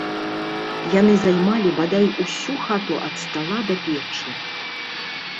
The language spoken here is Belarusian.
Яны займалі бадай усю хату ад стала да печы.